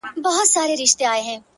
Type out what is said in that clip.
هغه بدل دی لکه غږ چي مات بنگړی نه کوي-